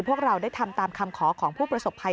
พวกเราได้ทำตามคำขอของผู้ประสบภัย